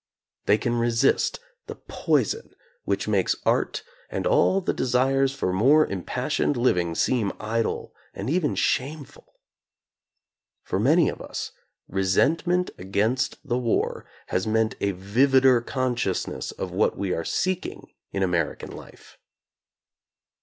They can resist the poison which makes art and all the desires for more impassioned living seem idle and even shameful. For many of us, resentment against the war has meant a vivider consciousness of what we are seeking in American life.